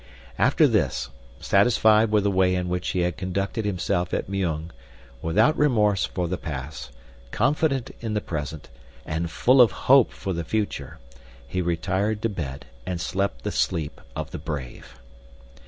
After this, satisfied with the way in which he had conducted himself at Meung, without remorse for the past, confident in the present, and full of hope for the future, he retired to bed and slept the sleep of the brave.